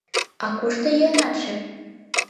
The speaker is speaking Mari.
А кушто йӱынатше?